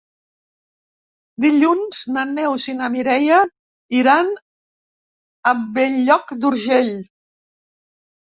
Dilluns na Neus i na Mireia iran a Bell-lloc d'Urgell.